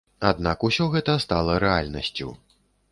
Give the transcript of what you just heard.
Аднак усё гэта стала рэальнасцю.